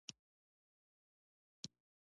قبضه، چور، لوټ او تالا کوي.